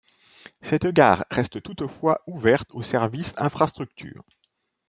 Cette gare reste toutefois ouverte au service infrastructure.